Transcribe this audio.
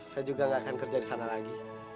saya juga gak akan kerja di sana lagi